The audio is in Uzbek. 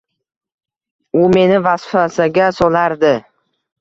U meni vasvasaga solardi.